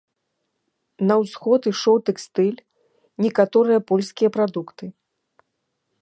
На ўсход ішоў тэкстыль, некаторыя польскія прадукты.